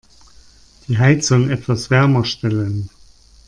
Die Heizung etwas wärmer stellen.